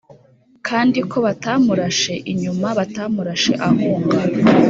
kandi ko batamurashe inyuma batamurashe ahunga